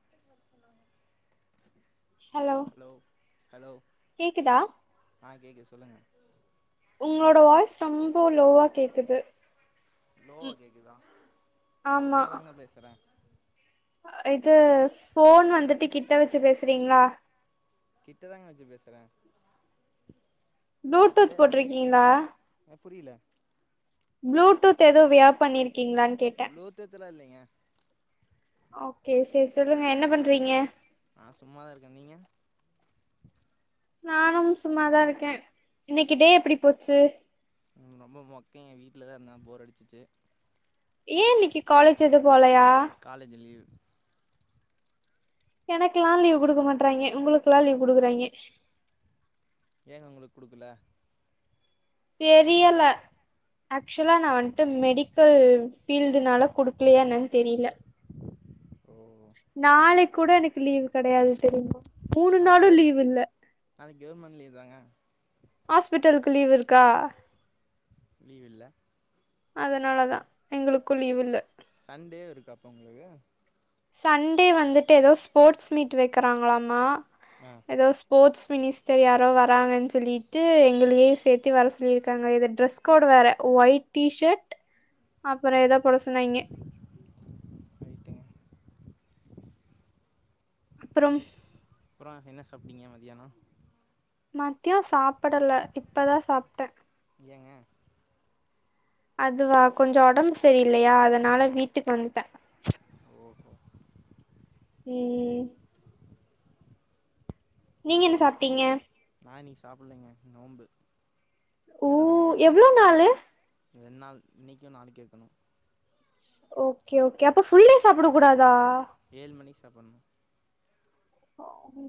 போய்ட்டு வர சொல்றாங்க ஹலோ ஹலோ கேக்குதா ஆ கேக்குது சொல்லுங்க உங்ளோட வாய்ஸ் ரொம்ப லோவா கேக்குது லோவா ம் கேக்குதா சத்தமாதாங்க பேசற அ இது ஃபோன் வந்துட்டு கிட்ட வெச்சி பேசுறீங்ளா கிட்டதாங்க வெச்சி பேசுற ப்ளூடூத் போட்ருக்கீங்களா புரியல ப்ளூடூத் எதுவு வியர் பண்ணியிருக் ப்ளூடூத்லா இல்லைங்க ஓகே சேரி சொல்லுங்க என்ன பண்றீங்க நா சும்மாதா இருக்கே நீங்க நானும் சும்மாதா இருக்கே இன்னைக்கு டே எப்படி போச்சு ரொம்ப மொக்கைங்க எ வீட்லதா இருந்தா போர் அடிச்சுச்சு ஏ இன்னைக்கு காலேஜ் எது போலையா காலேஜ் லீவு எனக்கெலா லீவ் குடுக்க மாட்றாய்ங்க உங்குளுக்கெல்லா லீவ் குடுக்குறாய்ங்க ஏங்க உங்களுக்கு குடுக்கல தெரியல ஆக்சுவலா நா வன்ட்டு மெடிக்கல் ஃபீல்டுனால குடுக்கலையா என்னன் தெரில ஓ நாளைக் கூட எனக்கு லீவு கெடையாது தெரிமா நாளைக்கு கெவுர் நாளைக்கு கெவுர்மெண் லீவு தாங்க ஹாஸ்பிட்டலுக்கு லீவ் இருக்கா லீவ் இல்ல அதனாலதா எங்களுக்கு லீவ் இல்ல கப்ப உங்களுக்கு சண்டே வந்துட்டு ஏதோ ஸ்போர்ட்ஸ் மீட் வெக்கிறாங்களாமா ஆ எதோ ஸ்போர்ட்ஸ் மினிஸ்டர் யாரோ வராங்கன் சொல்லிட்டு எங்களையு சேத்தி வர சொல்லிருக்காங்க இத டிரெஸ் கோடு வேற ஒயிட் டி ஷர்ட் அப்பற ஏதோ போட சொன்னாய்ங்க ரைட்டுங்க அப்பறம் அப்பற என்ன சாப்ட்டிங்க மதியான மதிய சாப்படல இப்பதா சாப்ட்ட ஏங்க அதுவா கொஞ்ச ஒடம்பு செரியில்லையா அதனால வீட்டுக்கு வந்துட்ட ஓஹோ ம் நீங்க என்ன சாப்ட்டிங்க நா இன்னைக்கு சாப்பிடலைங்க நோம்பு ஓ விரதம் எவ்ளோ நாளு ரெண்டு நாள் இன்னிக்கு நாளைக்கு வெக்கணு ஓகே ஓகே அப்ப ஃபுல்டே சாப்படக் கூடாதா ஏழு மணிக்கு சாப்பிட்ணும் சாமி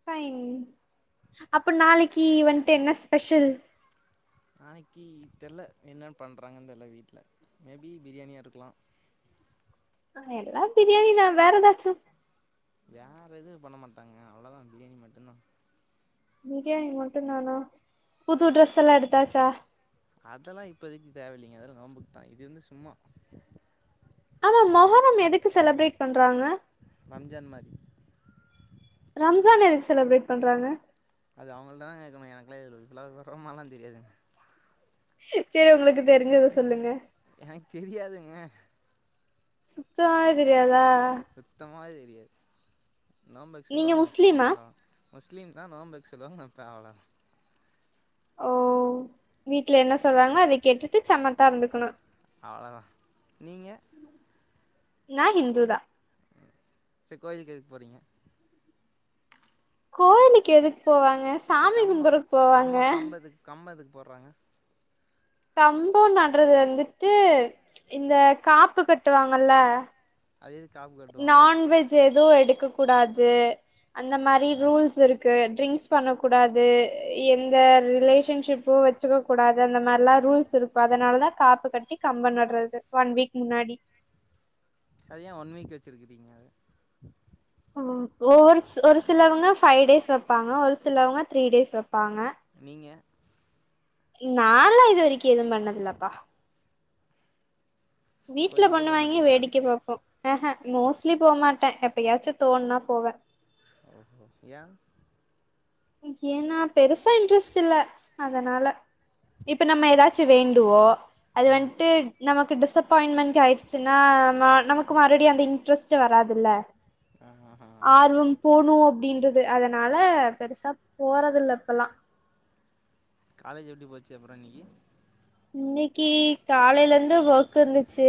ஃபைன் அப்ப நாளைக்கு வன்ட்டு என்ன ஸ்பெஷல் நாளைக்கு தெர்ல என்ன பண்றாங்கன் தெர்ல வீட்ல மே பி பிரியாணியா இருக்கலா ஆ எல்லா பிரியாணினா வேற எதாச்சு வேறெது பண்ண மாட்டாங்க அவ்ளோதா பிரியாணி மட்டுந்தா பிரியாணி மட்டுந்தானா புது ட்ரெஸ் எல்லா எடுத்தாச்சா அதெல்லா இப்ப எதுக்குங் தேவ இல்லிங் இனி அதெல்லா நோம்புக்குதா இது வந்து சும்மா ஆனா மொஹரம் எதுக்கு செலப்ரேட் பண்றாங்க ரம்ஜான் மாரி ரம்ஜான் எதுக்கு செலப்ரேட் பண்றாங்க அது அவுங்களதான கேக்கணு எனக்கெலா இதுல இவ்ளோ விவரமாலா தெரியாதுங்க சேர் உங்குளுக்கு எனக்கு தெரியாதுங்க சுத்தமாவே தெரியாதா சுத்தமாவே தெரியாது நோம்பு நீங்க வச்சுருக்கவங்க கேக்குறாங்க முஸ்லீமா அதுலா முஸ்லீம் தா நோம்பு வச்சுருக்காங்க அவ்ளோ ஓ வீட்ல என்ன சொல்றாங்களோ அதக் கேட்டுட்டு சமத்தா இருந்துக்கணு அவ்ளோதா நீங்க நா ஹிந்து தா செரி கோயிலுக்கு எதுக்கு போறீங்க கோவிலுக்கு எதுக்கு போவாங்க சரி சாமி கம்ம கும்புடுறதுக்கு போவாங்க கம்ம கம்பத்துக்கு கம்பத்துக்கு போடுறாங்க கம்போ நடுறது வந்துட்டு இந்தக் காப்பு கட்டுவாங்கல அது எதுக்கு ஆப் கட்டுவாங்க நான்வெஜ் எதுவு எடுக்க கூடாது அந்த மாரி ஆ ரூல்ஸ் இருக் கு ட்ரிங்க்ஸ் பண்ணக்கூடாது எந்த ரிலேஷன்ஷிப்பு வச்சுக்க கூடாது அந்த மாரிலா இருக் ரூல்ஸ் இருக்கு அதனால தா காப்பு கட்டி கம்பம் நடுறது ஒன் வீக் முன்னாடி அது ஏ ஒன் வீக் வச்சிருக்கிங்க ஒரு ஒரு சிலவங்க ஃபைவ் டேஸ் வைப்பாங்க ஒரு சிலவங்க த்ரீ டேஸ் வைப்பாங்க நீங்க நாலா இது வரைக்கு ஏதுவு பண்ணதுலப்பா வீட்ல கோயிலுக்கே போ பண்ணுவாங்கே மாட்டீங்களா வேடிக்க பாப்போ அ ஆ மோஸ்ட்லி போ மாட்ட எப்பயாச்சு தோணுனா போவ ஓ ஒ ஏ ஏன்னா பெருசா இன்ட்ரெஸ்ட் இல்ல அதனால இப்ப நம்ம எதாச்சு வேண்டுவோ அது ம் வந்துட்டு நமக்கு டிசப்பாயிண்ட்மெண்ட் ஆயிடுச்சுன்னா நமக்கு மறுபடி அந்த இன்ட்ரெஸ்ட் வராதுல்ல ஆ ஆ ஆ ஆர்வம் போணு அப்டின்றது அதனால பெருசா போறதில்ல இப்பல்லா காலேஜ் எப்டி போச்சு அப்புறோ இன்னிக்கி இன்னிக்கி காலைல இருந்து ஒர்க் இருந்துச்சு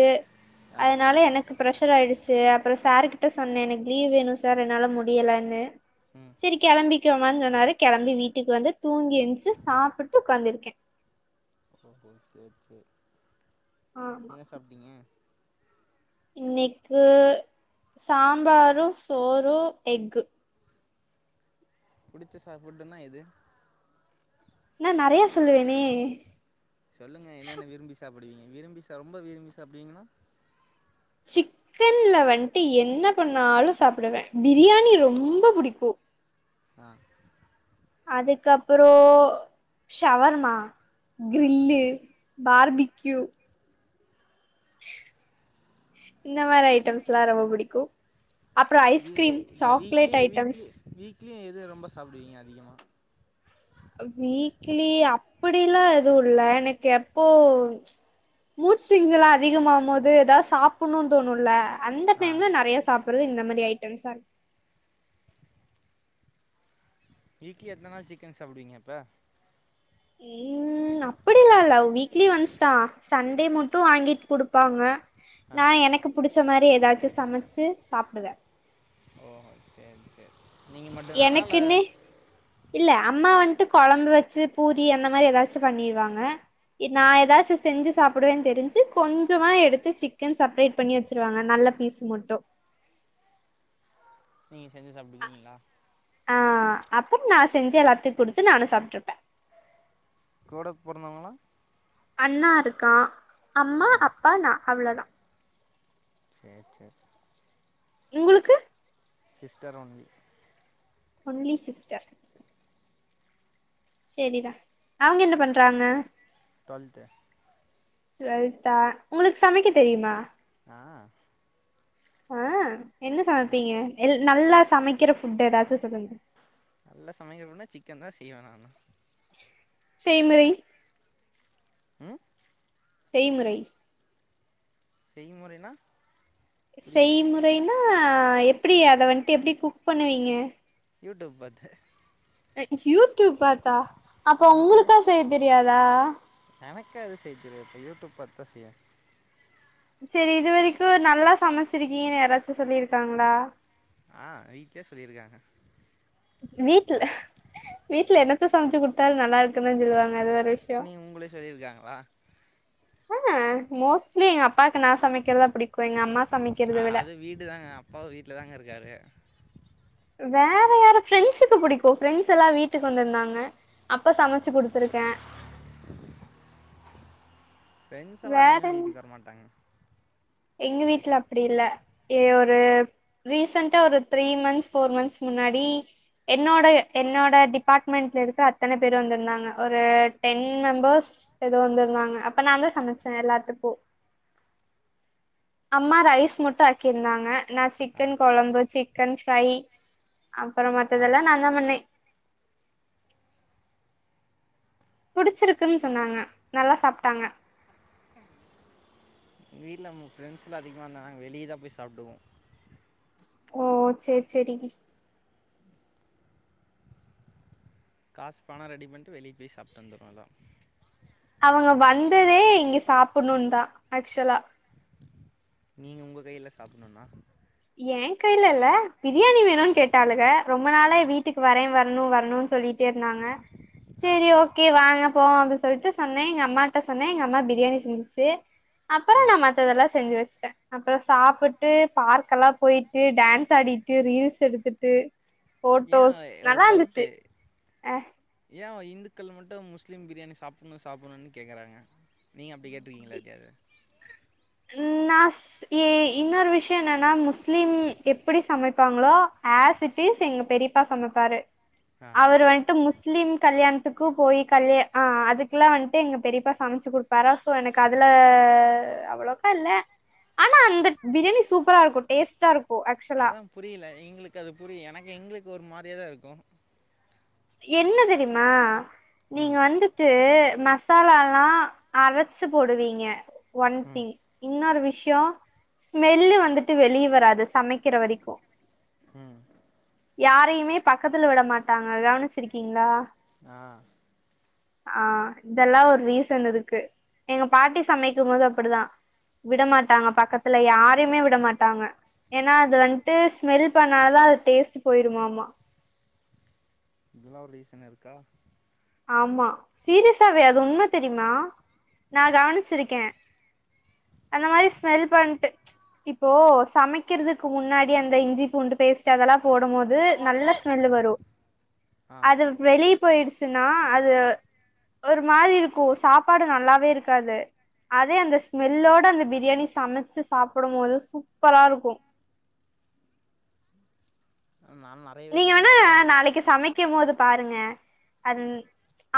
ஆ அதனால எனக்கு பிரச் ஃவீவர் ஆயிடுச்சு அப்புறோ சார் கிட்ட சொன்ன இன்னிக்கி லீவ் வேணு சார் என்னால முடியலன்னு ம் சரி கிளம்பி போய்கோமானு சொன்னாரு கிளம்பி வீட்டுக்கு வந்து தூங்கி ஏந்துஞ்சு சாப்பிட்டு உட்காந்துருக்கே ஓ சரி சரி என்ன சாப்ட்டீங்க இன்னிக்கு சாம்பாருசோறு எஃக்கு புடிச்சு சாப் ஃபுட்டுனுனா எது நா நறைய சொல்லுவேனே சொல்லுங்க என்னென்ன விரும்பி சாப்பிடுவீங்க விரும்பி சா ரொம்ப விரும்பி சாப்பிடுவீங்கன்னா சிக்கன்ல வந்துட்டு என்ன பண்ணாலு சாப்பிடுவே பிரியாணி ரொம்ப புடிக்கு ஆ அதுக்கப்பரோ ஷவர்வர்மா ஆ கிரில்லு பார்பீ கியூ இந்த மாரி ஐட்டம்ஸ் எல்லா ரொம்ப பிடிக்கு அப்புறம் வீ ஐஸ்கிரீம் இந்த weekly chocolate weekly items weekly எது ரொம்ப சாப்பிடுவீங்க அதிகமா வீக்லி அப்படிலா எதுவு இல்ல எனக்கு எப்போ மூட சிங்ஸ் எல்லா அதிகமாவு போது ஏதாவது சாப்பிடணும்னு தோணும்ல அந்த ஆ டைம்ல நிறைய சாப்படுறது இந்த மாதிரி ஐட்டம்ஸா இரு வீக்லி எத்தன நாள் சிக்கன் சாப்பிடுவீங்க அப்ப உம் அப்படிலா இல்ல வீக்லி ஒன்ஸ் தா சண்டே மட்டு வாங்கி கொடுப்பாங்க ஆ நா எனக்கு பிடிச்ச மாதிரி ஏதாச் சு சமைச்சு சாப்பிடுவ ஓ செரி செரி எனக்குன்னு இல்ல அம்மா வந்துட்டு கொழம்பு வச்சு பூரி அந்த மாதிரி ஏதாச்சும் பண்ணிடுவாங்க ஆ நான் ஏதாச்சும் செஞ்சு சாப்பிடுவேன் தெரிஞ்சு கொஞ்சமா எடுத்து சிக்கன் செப்பரேட் பண்ணி வச்சிருவாங்க நல்ல பீஸ் மட்டும் நீங்க செஞ்சு சாப்டுறீக்கீங்களா ஆஹ் அப்புறம் நா செஞ்சு எல்லாத்துக்கு குடுத்து நானும் சாப்பிட்டுருப்பேன் கூட பிறந்தவங்களா அண்ணா இருக்கான் அம்மா ஓ அப்பா நா அவ்ளோதான் சேரி சேரி உங்களுக்கு சிஸ்டர் ஒன்லி ஒன்லி சிஸ்டர் சேரி டா அவுங்க என்ன பண்றாங்க டுவெல்த்து டுவெல்தா உங்களுக்கு சமைக்க தெரியுமா ஆஹ் ஆஹ் என்ன சமைப்பீங்க நல்லா சமைக்கிற ஃபுட் ஏதாச்சும் சொல்லுங்க நல்ல சமைக்கனுனா சிக்கன் தான் செய்வேன் நாலா செய்முறை உம் செய்முறை செய்முறைனா புரியல செய்முறைனா எப்படி அத வந்துட்டு எப்படி குக் பண்ணுவீங்க யூடூப் பாத்து யூடியூப் பாத்தா அப்ப நமக்குன்னு உங்களுக்கா செய்ய தெரியாதா எனக்கு அது செய்ய தெரியாது யூடியூப் பாத்தான் செய்வேன் சேரி இது வரைக்கும் நல்லா சமைச்சிருக்கீங்கன்னு யாராச்சும் சொல்லிருக்காங்களா ஆஹ் வீட்லே சொல்லியிருக்காங்க வீட்ல வீட்ல என்னத்த சமச்சு குடுத்தாலும் நல்லா இருக்குன்னுதா சொல்லுவாங்க அது விஷயோ நீ உங்கள சொல்லியிருக்காங்களா ஆஹா மோஸ் ட்லி எங்க அப்பாவுக்கு நா சமைக்கிறதா பிடிக்கும் எங்க அம்மா சமைக்கிறத ஆ விட அது வீடு தாங்க அப்பாவும் வீட்டுல தாங்க இருக்காரு வேற யாரு ப்ரெண்ட்ஸுக்கு பிடிக்கும் ப்ரெண்ட்ஸ் எல்லாம் வீட்டுக்கு வந்திருந்தாங்க அப்ப சமைச்ச ச்சு குடுத்துருக்கேன் ப்ரெண்ட்ஸ்லாம் அதிகமா வீட்டுக்கு வர மாட்டாங்க எங்க வீட்ல அப்டி இல்ல ஒரு ரீசன்டா ஒரு த்ரீ மன்ந்த்ஸ் ஃபோர் மன்ந்த்ஸ் முன்னாடி என்னோட என்னோட டிபார்ட்மெண்ட்ல இருக்க அத்தன பேரும் வந்திருந்தாங்க ஒரு டென் மெம்பர்ஸ் எதோ வந்திருந்தாங்க அப்ப நா தான் சமைச்சேன் எல்லாத்துக்கும் அம்மா ரைஸ் மட்டும் ஆக்கிருந்தாங்க நா ஆ சிக்கன் கொழம்பு சிக்கன் ஃப்ரை அப்புறம் ஆ மத்ததெல்லாம் நான்தா பண்ணே பிடிச்சிருக்குன் சொன்னாங்க நல்லா சாப்ட்டாங்க எங்க வீட்ல ஃப்ரெண்ட்ஸ்லாம் அதிகமாக வந்தாங்னா நாங்க வெளியதான் போய் சாப்டுவோம் ஓ சேரி சேரி காசு பணம் ரெடி பண்ணிட்டு வெளிய போய் சாப்ட்டு வந்துருவோ எல்லாரு அவுங்க வந்ததே இங்க சாப்புடணும்னு தான் ஆக்சுவலா நீங்க உங்க கையில சாப்டணும்னா என் கையில இல்ல பிரியாணி வேணும்னு கேட்டாளுக ரொம்ப நாளா ஆ வீட்டுக்கு வரேன் வர வரணும் வரணும்னு சொல்லிட்டே இருந்தாங்க ஆ சேரி ஓகே வாங்க போவோம் சொல்ட்டு சொன்னே எங்கம்மாட்ட சொன்னே எங்கம்மா பிரியாணி செஞ்சுச்சு அப்புறோ ம் நா மத்ததெல்லா செஞ்சு வெச் ச்டே அப்றோ சாப்புட்டு பார்க் எல்லா போயிட்டு டான்ஸ் ஆடிட்டு ரீல்ஸ் எடுத்துட்டு ஏன் போட்டோஸ் ஒரு நல்லாந்துச்சு டவுட்டு அ ஏன் இந்துக்கள் மட்டு முஸ்லிம் பிரியாணி சாப்புணு சாப்புணுன் கேக்குறாங்க நீங்க அப்டி கேட்ருக்கீங்ளா யார்டயாது நாஸ் இ இன்னொரு விஷ்யோ என்னனா முஸ்லீம் எப்டி சமைப்பாங்களோ ஆஸ் இட் இஸ் எங் பெரியப்பா சமைப்பாரு ஆ அவரு வன்ட்டு முஸ் ஸ்லீம் கல்யாண்த்துக்கு போய் கல்ய ஆ அதுக்குலா வன்ட்டு எங் பெரியப்பா சமைச்சு குடுப்பாரா சோ எனக் அதுலா நிக்காதுலே அண்ணே ஆனா அந்த பிரியாணி சூப்பரா இருக்கூ டேஸ்ட்டா இருக் அதா புரியல எங்களுக்க அது புரியு எனக்க எங்குளுக்கு ஒரு மாரியா தா இருக்கூ என்ன தெரிமா நீங்க ம் வந்துட்டு மசாலாலா அரைச்சு போடுவீங்க ஒன் ம் திங் இன்னொரு வி ஷ்யோ ஸ்மெல்லு வந்துட்டு வெளிய வராது சமைக்கிற வரீக்கு ம் யாரையுமே பக்கத்துல விட மாட்டாங்க கவனிச்சிருக்கீங்ளா ஆ ஆ இதெல்லா ஒரு ரீசன் இருக்கு எங்க பாட்டி சமைக்கும்போதூ அப்படிதா விடமாட்டாங்க பக்கத்துல யாரயுமே விட மாட்டாங்க ஏனா அது வன்ட்டு ஸ்மெல் பண்ணாலூ அது டேஸ்ட் போயிருமாமா இதுலா ஒர் ரீீசன் இருக்கா ஆமா சீரியஸாவே அது உண்ம தெரிமா நா கவனிச்சிருக்கே அந்த மாரி ஸ்மெல் பண்ட்டு இப்போ சமைக்கிறதுக்கு முன்னாடி அந்த இஞ்சி பூண்டு பேஸ்ட்டு அதெல்லா போடும் போது நல்லா ஸ்மெல் வரும் ஆ அது வெளிய போயிடுச் ச்சுனா அது ஒரு மாரி இருக்கூ சாப்பாடு நல்லாவே இருக்காது அதே அந்த ஸ்மெல்லோட அந்த பிரியாணி சமைச்சு சாப்புடும் போது சூப்பரா இருக்கூ நான் நெறைய நீங்க பேத்துக்கு வேணா குடுத்துருக்கே என்ட்ட நாளைக்கு சமைக்கிம் போது பாருங்க அந்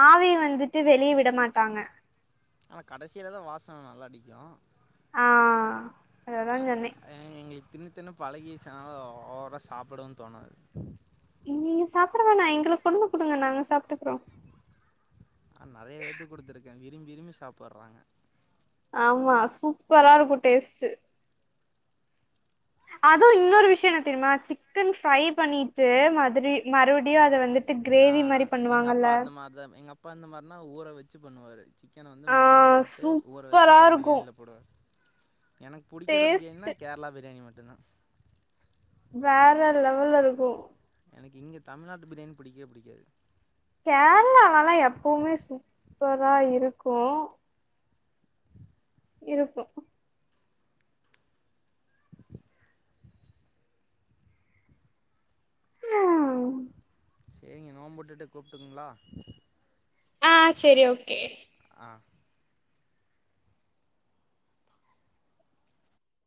ஆவிய வந்துட்டு வெளியே விட மாட்டாங்க ஆனா கடைசிலதா வாசன நல்லா அடிக்கூ ஆ அததா சொன்னே எங்களுக்கு தின்னு தின்னு பழகிருச்சாவு ஓவரா சாப்புடவுந் தோணாது இங்கிங்க சாப்ட வேனா எங்குளுக் கொண்டுந்து கெடுங்க நாங்க சாப நா நெறைய பேத்துக் குடுத்துருக்கே விரும்பி விரும்பி சாப்புர்றாங்க ஆமா சூப்பரா இருக்கூ டேஸ்ட்டு அதுவு இன்னொரு விஷ்யோ என்ன தெரியுமா சிக்கன் ஃப்ரை பண்ணிட்டு மதுரி மறுப்டியு அத வ ஆ எங்கப்பா அந்த மார்தா எங்கப்பா அந்த மார்னா ஊற வச்சு பண்ணுவாரு சிக்கன் வந்து ஆ மசா லா போட்டு ஊற வச்ட்டு சூப்பரா அப்றோ இருக்கு பிரியாணில போடுவாரு எனக்கு புடிக்கற பிரியாணினா டேஸ்ட்டு கேரளா பிரியாணி மட்டுந்தா வேற லெவல்லருக்கூ எனக்கு இங்க தமிழ்நாட்டு பிரியாணி புடிக்கவே புடிக்காது கேரளாலலா எப்பவ்மே சூப்பரா இருக்கி இருக்கூ செரிங்க நோம்பு உட்டுட்டு கூப்ட்டுங்ளா ஆ செரி ஓகே ஆ